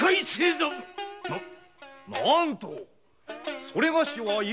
ななんとそれがしは。